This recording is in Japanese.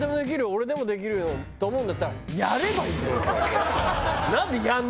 俺でもできるよと思うんだったらやればいじゃん！